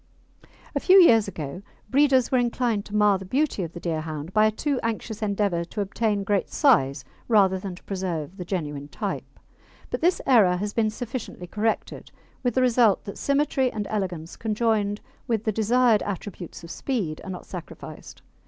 A few years ago breeders were inclined to mar the beauty of the Deerhound by a too anxious endeavour to obtain great size rather than to preserve the genuine type; but this error has been sufficiently corrected, with the result that symmetry and elegance conjoined with the desired attributes of speed are not sacrificed.